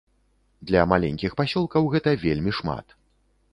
Для маленькіх пасёлкаў гэта вельмі шмат.